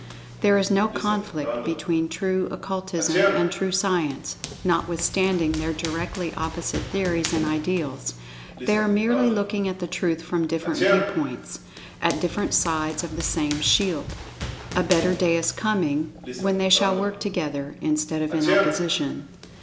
There is no conflict between True Occultism and True Science, notwithstanding their directly opposite theories and ideals—they are merely looking at the Truth from different viewpoints—at different sides of the same shield. A better day is coming, when they shall work together, instead of in opposition.